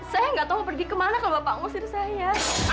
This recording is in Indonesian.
saya tidak tahu pergi ke mana kalau bapak usir saya